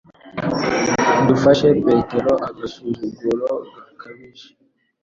Dufashe Petero agasuzuguro gakabije